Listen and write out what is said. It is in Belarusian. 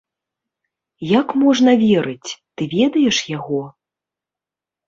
Як можна верыць, ты ведаеш яго?